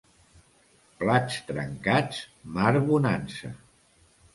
Plats trencats, mar bonança.